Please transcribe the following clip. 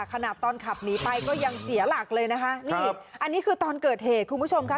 ขนาดตอนขับหนีไปก็ยังเสียหลักเลยนะคะนี่อันนี้คือตอนเกิดเหตุคุณผู้ชมค่ะ